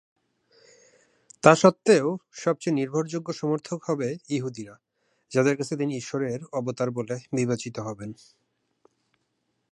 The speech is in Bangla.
তা সত্ত্বেও, সবচেয়ে নির্ভরযোগ্য সমর্থক হবে ইহুদিরা, যাদের কাছে তিনি ঈশ্বরের অবতার বলে বিবেচিত হবেন।